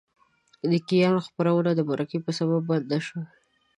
د کیان خپرونه د مرکې په سبب بنده شوه.